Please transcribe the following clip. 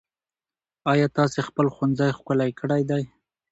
ايا تاسې خپل ښوونځی ښکلی کړی دی؟